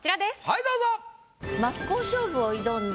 はいどうぞ！